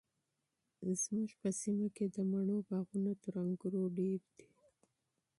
زموږ په سیمه کې د مڼو باغونه تر انګورو ډیر دي.